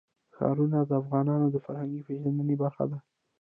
ښارونه د افغانانو د فرهنګي پیژندنې برخه ده.